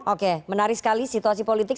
oke menarik sekali situasi politik